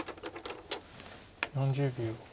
４０秒。